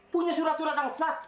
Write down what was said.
punya surat surat yang sah